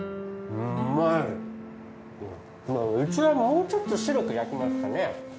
うまいうちはもうちょっと白く焼きますかね